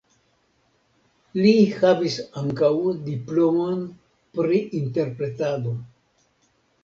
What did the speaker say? Li havis ankaŭ diplomon pri interpretado.